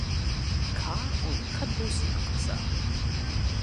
Kā un kad būs jāmaksā?